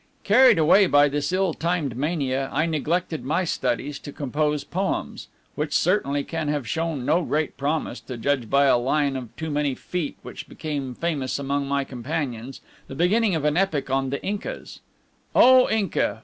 Carried away by this ill timed mania, I neglected my studies to compose poems, which certainly can have shown no great promise, to judge by a line of too many feet which became famous among my companions the beginning of an epic on the Incas: "O Inca!